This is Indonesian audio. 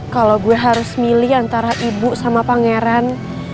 kalau gue harus milih antara ibu sama pangeran